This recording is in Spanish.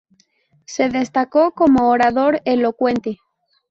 Se destacó como orador elocuente.